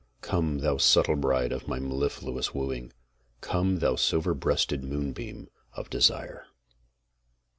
Come, thou subtle bride of my mellifluous wooing, Come, thou silver breasted moonbeam of desire!